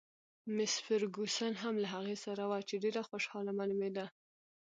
مس فرګوسن هم له هغې سره وه، چې ډېره خوشحاله معلومېده.